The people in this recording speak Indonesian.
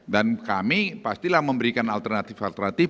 dan kami pastilah memberikan alternatif alternatif